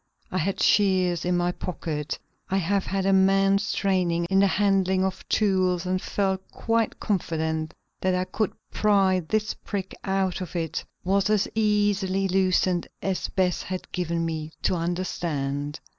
I had shears in my pocket. I have had a man's training in the handling of tools and felt quite confident that I could pry this brick out if it was as easily loosened as Bess had given me to understand.